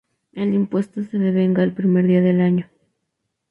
El impuesto se devenga el primer día del año.